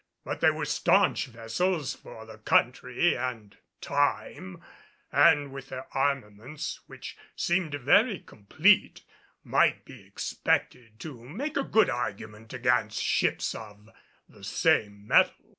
But they were staunch vessels for the country and time, and with their armaments, which seemed very complete, might be expected to make a good argument against ships of the same metal.